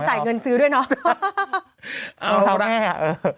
ยอมจ่ายเงินซื้อด้วยเนอะลองเท้าแม่เออ